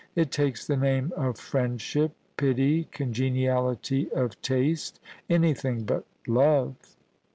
It takes the name of friendship, pity, congeniality of taste — anything but love.